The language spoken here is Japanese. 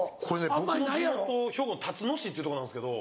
僕の地元兵庫のたつの市っていうとこなんですけど。